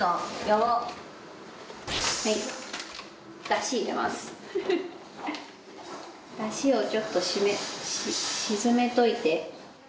だしをちょっと沈めといて。